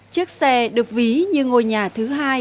chiếc xe được ví như ngôi nhà thứ hai